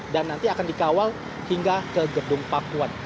dan nanti akan dikawal hingga ke gedung pakuwan